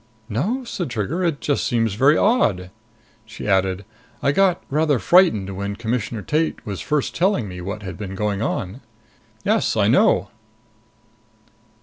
"No," said Trigger. "It just seems very odd." She added, "I got rather frightened when Commissioner Tate was first telling me what had been going on." "Yes, I know."